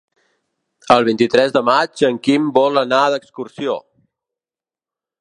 El vint-i-tres de maig en Quim vol anar d'excursió.